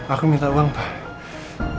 aku minta uang pak